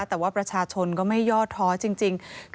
แต่ว่าประชาชนก็ไม่ยอดท้อจริง